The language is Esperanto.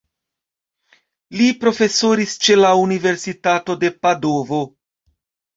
Li profesoris ĉe la universitato de Padovo.